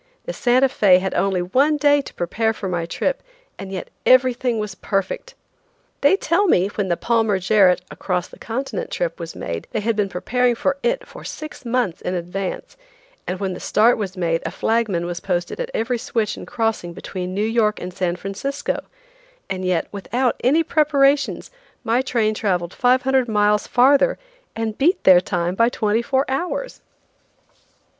The Santa Fé had only one day to prepare for my trip, and yet everything was perfect. They tell me when the Palmer Jarrett "Across the Continent" trip was made they had been preparing for it for six months in advance, and when the start was made a flagman was posted at every switch and crossing between New York and San Francisco, and yet without any preparations my train traveled 500 miles farther and beat their time by 24 hours.